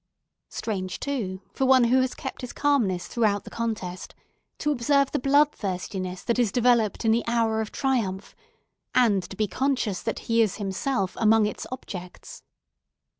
Strange, too, for one who has kept his calmness throughout the contest, to observe the bloodthirstiness that is developed in the hour of triumph, and to be conscious that he is himself among its objects!